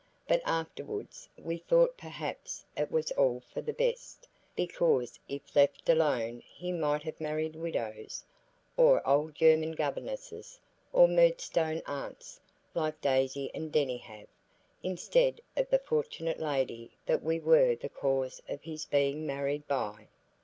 But afterwards we thought perhaps it was all for the best, because if left alone he might have married widows, or old German governesses, or Murdstone aunts, like Daisy and Denny have, instead of the fortunate lady that we were the cause of his being married by.